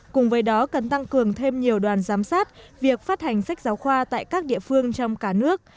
cùng với đó cần tăng cường thêm nhiều đoàn giám sát việc phát hành sách giáo khoa tại các địa phương trong cả nước